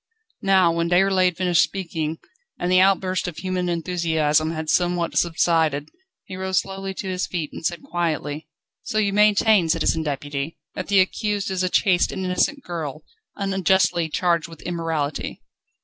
Now, when Déroulède finished speaking, and the outburst of human enthusiasm had somewhat subsided, he rose slowly to his feet, and said quietly: "So you maintain, Citizen Deputy, that the accused is a chaste and innocent girl, unjustly charged with immorality?"